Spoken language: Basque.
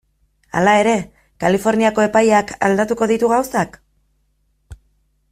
Hala ere, Kaliforniako epaiak aldatuko ditu gauzak?